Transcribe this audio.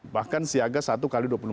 bahkan siaga satu x dua puluh empat